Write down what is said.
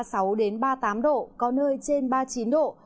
các tỉnh có nơi trên ba mươi tám độ có nơi trên ba mươi chín độ